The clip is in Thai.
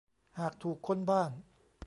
หากถูกค้นบ้าน